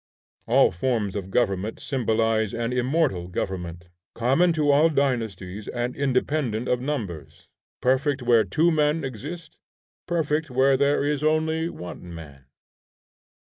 All forms of government symbolize an immortal government, common to all dynasties and independent of numbers, perfect where two men exist, perfect where there is only one man.